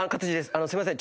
あのすいません。